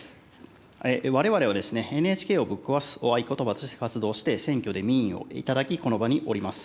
われわれは、ＮＨＫをぶっ壊すを合言葉として活動して、選挙で民意を頂き、この場におります。